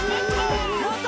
もっと！